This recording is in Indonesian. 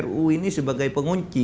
ruu ini sebagai pengunci